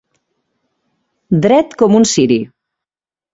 Dret com un ciri.